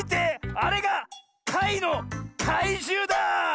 あれがかいのかいじゅうだ！